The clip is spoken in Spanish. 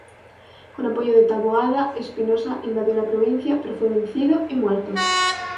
Con apoyo de Taboada, Espinosa invadió la provincia, pero fue vencido y muerto.